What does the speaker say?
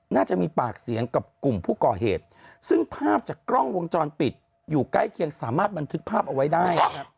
น่าจะมีปากเสียงกับกลุ่มผู้ก่อเหตุซึ่งภาพจากกล้องวงจรปิดอยู่ใกล้เคียงสามารถบันทึกภาพเอาไว้ได้